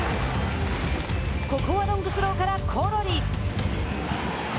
ここはロングスローからコロリ。